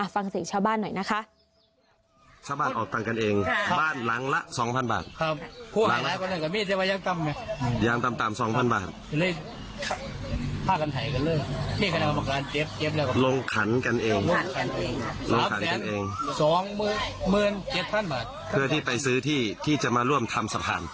ฟังเสียงชาวบ้านหน่อยนะคะ